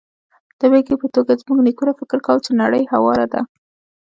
د بېلګې په توګه، زموږ نیکونو فکر کاوه چې نړۍ هواره ده.